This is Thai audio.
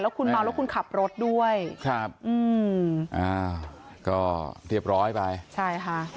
คุณเมาแล้วคุณขับรถด้วยครับอืมอ่าก็เรียบร้อยไปใช่ค่ะ